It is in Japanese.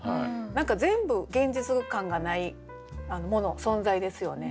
何か全部現実感がないもの存在ですよね。